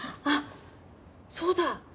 あっそうだ！